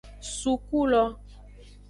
Suku lo.